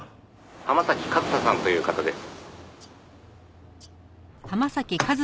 「浜崎和沙さんという方です」